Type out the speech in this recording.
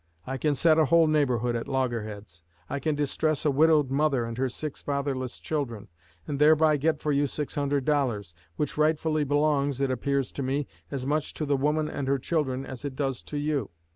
I can set a whole neighborhood at loggerheads; I can distress a widowed mother and her six fatherless children, and thereby get for you six hundred dollars, which rightfully belongs, it appears to me, as much to the woman and her children as it does to you.